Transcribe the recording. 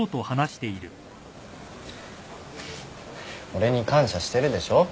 俺に感謝してるでしょ。